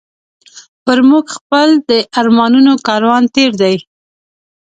پر موږ خپل د ارمانونو کاروان تېر دی